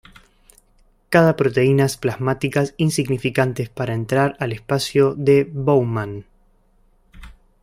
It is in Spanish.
Cada proteínas plasmáticas insignificantes para entrar al espacio de Bowman.